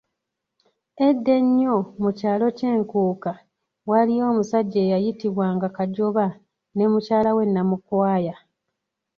Edda ennyo mu kyalo kye Nkuuka, waliyo omusajja eyayitibwa nga Kajoba ne mukyala we Namukwaya